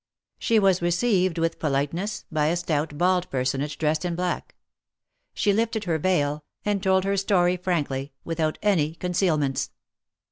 She was received with politeness by a stout, bald per sonage dressed in black. She lifted her veil, and told her story frankly, without any concealments.